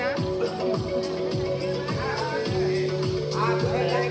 อาหาร